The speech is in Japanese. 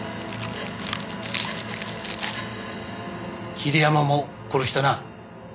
桐山も殺したな？